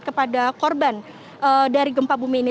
kepada korban dari gempa bumi ini